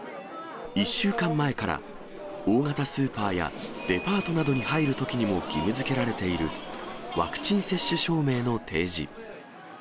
１週間前から、大型スーパーやデパートなどに入るときにも義務づけられている、ワクチン接種証明の提示。